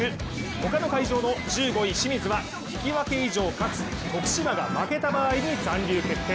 他の会場の１５位・清水は引き分け以上、かつ徳島が負けた場合に残留決定。